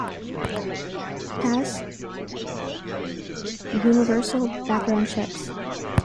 Pass universal background checks.